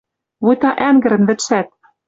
Вуйта ӓнгӹрӹн вӹдшӓт